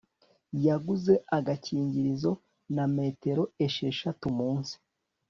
yaguze agakingirizo na metero esheshatu munsi